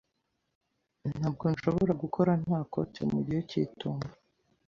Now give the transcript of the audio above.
Ntabwo nshobora gukora nta kote mu gihe cy'itumba.